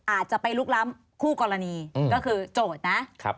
อาจจะไปลุกล้ำคู่กรณีก็คือโจทย์นะ